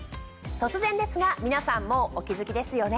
突然ですが皆さんもうお気付きですよね。